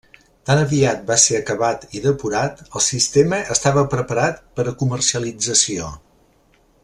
Tan aviat va ser acabat i depurat, el sistema estava preparat per a comercialització.